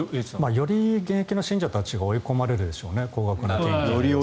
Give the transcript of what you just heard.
より現役の信者たちが追い込まれるでしょうね。